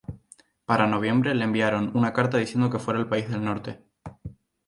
Para noviembre le enviaron una carta diciendo que fuera al país del norte.